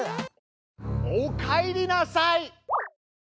おかえりなさい！